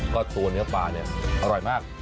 ก็ตัวเนื้อปลาเนี่ยอร่อยมาก